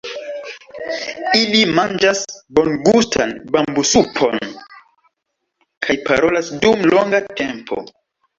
Ili manĝas bongustan bambusupon kaj parolas dum longa tempo.